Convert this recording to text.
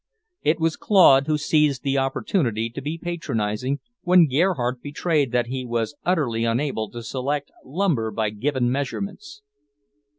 It was Claude who seized the opportunity to be patronizing, when Gerhardt betrayed that he was utterly unable to select lumber by given measurements.